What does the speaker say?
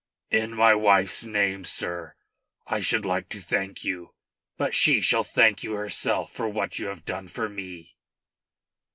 "In my wife's name, sir, I should like to thank you. But she shall thank you herself for what you have done for me."